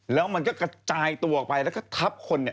แล้วมันก็กระจายตัวไปแล้วก็ทัพคน